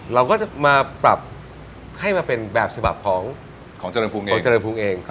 เราก็จะมาปรับให้มาเป็นแบบฉบับของเจริญพุงเอง